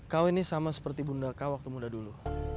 kau ini sama seperti bunda kau waktu muda dulu